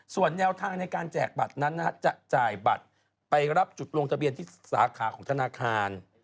ส่วนแนวทางในการแจกบัตรนั้นจะจ่ายบัตรไปรับจุดลงทะเบียนที่สาขาของธนาคาร